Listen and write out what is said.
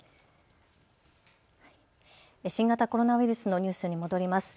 新型コロナウイルスのニュースに戻ります。